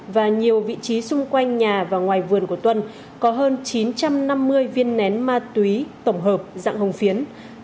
và nhiều vị trí xung quanh nhà và ngoài vườn của tuân có hơn chín trăm năm mươi viên nén ma túy tổng hợp dạng hồng phiến